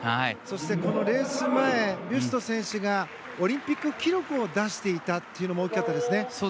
そして、このレース前ビュスト選手がオリンピック記録を出したのも大きかったですね。